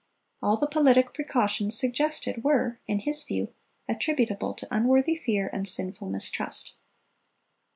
All the politic precautions suggested were, in his view, attributable to unworthy fear and sinful mistrust."